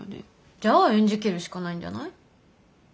じゃあ演じきるしかないんじゃない？